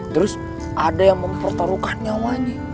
terus ada yang mempertaruhkan nyawanya